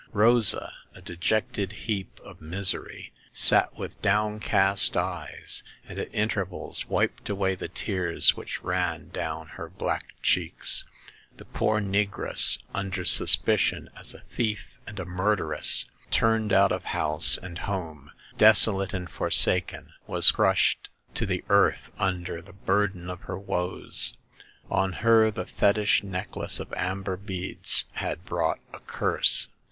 Rosa, a dejected heap of mis ery, sat with downcast eyes, and at intervals wiped away the tears which ran down her black cheeks. The poor negress, under suspicion as a thief and a murderess, turned out of house and home, desolate and forsaken, was crushed to the 76 Hagar of the Pawn Shop. earth under the burden of her woes. On her the fetish necklace of amber beads had brought a curse.